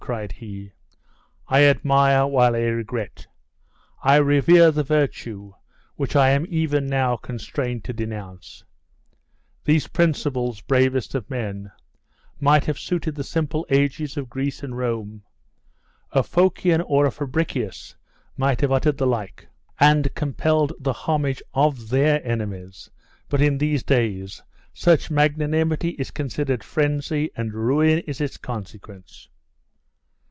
cried he; "I admire while I regret; I revere the virtue which I am even now constrained to denounce. These principles, bravest of men, might have suited the simple ages of Greece and Rome; a Phocion or a Fabricius might have uttered the like, and compelled the homage of their enemies; but in these days, such magnanimity is considered frenzy, and ruin is its consequence."